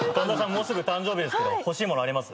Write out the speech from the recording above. もうすぐ誕生日ですが欲しい物あります？